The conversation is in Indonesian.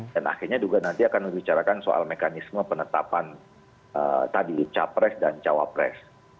dan akhirnya juga nanti akan membicarakan soal mekanisme penetapan tadi capres dan cawapres